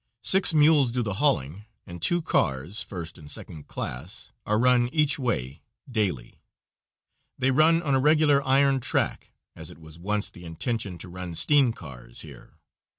Six mules do the hauling, and two cars first and second class are run each way daily. They run on a regular iron track, as it was once the intention to run steam cars here.